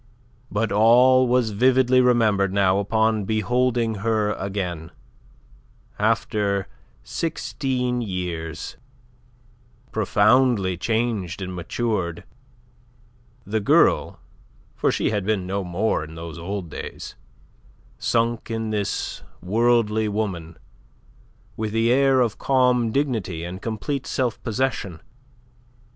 But all was vividly remembered now upon beholding her again, after sixteen years, profoundly changed and matured, the girl for she had been no more in those old days sunk in this worldly woman with the air of calm dignity and complete self possession.